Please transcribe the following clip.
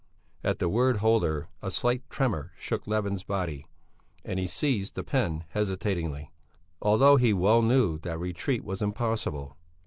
At the word holder a slight tremor shook Levin's body, and he seized the pen hesitatingly, although he well knew that retreat was impossible.